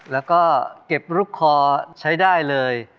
แล้วก็เก็บลูกคอใช้ได้เลย